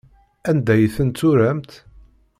Anda ay ten-turamt?